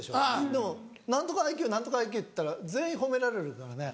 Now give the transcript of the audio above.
でも何とかＩＱ何とかＩＱって言ったら全員褒められるからね。